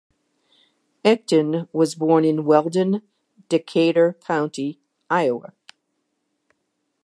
Ecton was born in Weldon, Decatur County, Iowa.